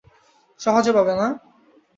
সহজে পাবে না?